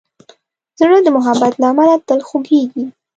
زړه د محبت له امله تل خوږېږي.